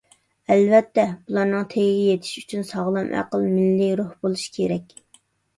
ئەلۋەتتە، بۇلارنىڭ تېگىگە يېتىش ئۈچۈن ساغلام ئەقىل، مىللىي روھ بولۇش كېرەك.